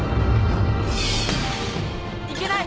いけない！